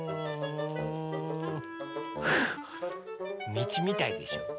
みちみたいでしょ？